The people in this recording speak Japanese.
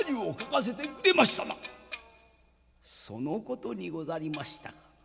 「そのことにござりましたか。